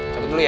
sabar dulu ya